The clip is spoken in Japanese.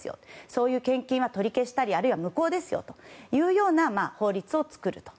そうした献金は取り消したりあるいは無効ですよというような法律を作ると。